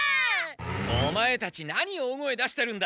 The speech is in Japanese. オマエたち何大声出してるんだ。